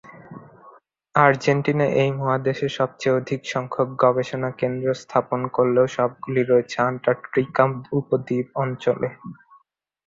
Argentina এই মহাদেশে সব চেয়ে অধিক সংখ্যক গবেষণা কেন্দ্র স্থাপন করলেও সবগুলিই রয়েছে অ্যান্টার্কটিকা উপদ্বীপ অঞ্চলে।